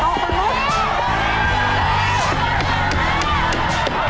ต้องต้องลุก